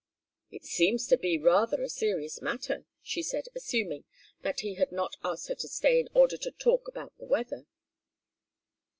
"It seems to be rather a serious matter," she said, assuming that he had not asked her to stay in order to talk about the weather.